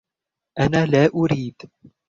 انا لا اريد.